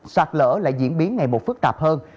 sạt lỡ lại diễn biến ngày một phức tạp hơn